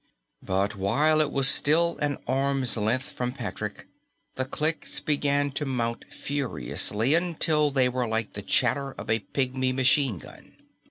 But while it was still an arm's length from Patrick, the clicks began to mount furiously, until they were like the chatter of a pigmy machine gun.